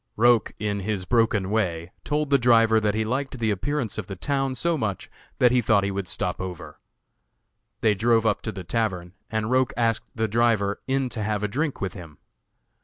Roch in his broken way told the driver that he liked the appearance of the town so much that he thought he would stop over. They drove up to the tavern and Roch asked the driver in to have a drink with him.